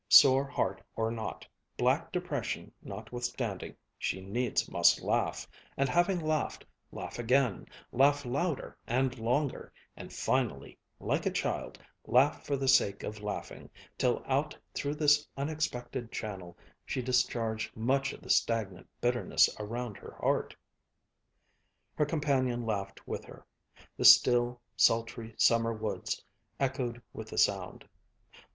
Sore heart or not, black depression notwithstanding, she needs must laugh, and having laughed, laugh again, laugh louder and longer, and finally, like a child, laugh for the sake of laughing, till out through this unexpected channel she discharged much of the stagnant bitterness around her heart. Her companion laughed with her. The still, sultry summer woods echoed with the sound.